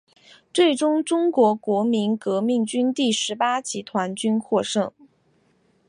最终中国国民革命军第十八集团军获胜。